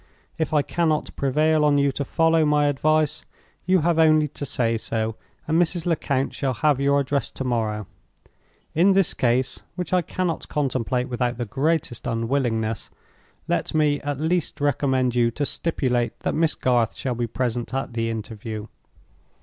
"If I cannot prevail on you to follow my advice, you have only to say so, and Mrs. Lecount shall have your address to morrow. In this case (which I cannot contemplate without the greatest unwillingness), let me at least recommend you to stipulate that Miss Garth shall be present at the interview.